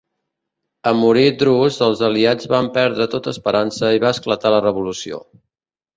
En morir Drus els aliats van perdre tota esperança i va esclatar la revolució.